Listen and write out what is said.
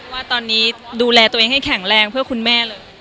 ว่าตอนนี้ดูแลตัวเองให้แข็งแรงเพื่อคุณแม่เลย